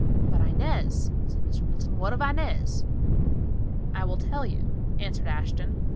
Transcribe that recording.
"But Inez," said Mr. Middleton, "what of Inez?" "I will tell you," answered Ashton.